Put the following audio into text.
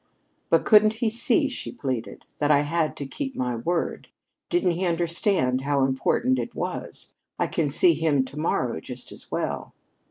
"But couldn't he see," she pleaded, "that I had to keep my word? Didn't he understand how important it was? I can see him to morrow just as well."